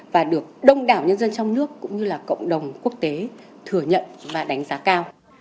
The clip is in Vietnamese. và được đông đảo nhân dân trong nước cũng như là cộng đồng quốc tế thừa nhận và đánh giá cao